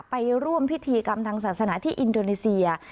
ไปร่วมพิธีกรรมทางศาสนาที่อินโดนีเซีย